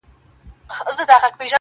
ټول بکواسیات دي.